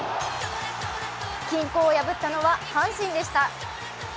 均衡を破ったのは阪神でした。